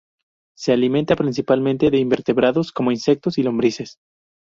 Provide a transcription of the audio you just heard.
Se alimente principalmente de invertebrados, como insectos y lombrices.